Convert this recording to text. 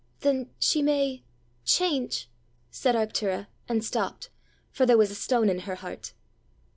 "Then she may change " said Arctura, and stopped, for there was a stone in her heart.